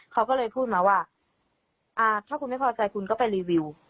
เขาก็เลยพูดมาว่าถ้าคุณไม่พอใจคุณก็ไปรีวิว